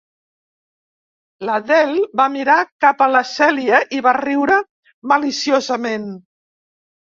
L'Adele va mirar cap a la Cèlia i va riure maliciosament.